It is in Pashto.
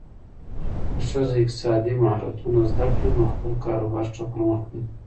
که ښځه اقتصادي مهارتونه زده کړي، نو خپل کاروبار ښه پرمخ وړي.